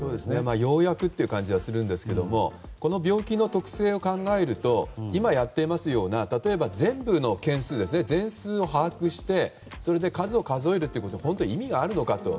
ようやくという感じはするんですけれどもこの病気の特性を考えると今やっていますような例えば全部の件数、全数を把握して数を数えることに意味があるのかと。